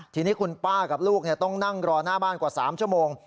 ทีนี้คุณป้ากับลูกต้องนั่งรอหน้าบ้านกว่า๓ชั่วโมง